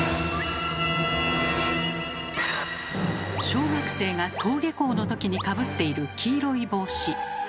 小学生が登下校の時にかぶっている黄色い帽子。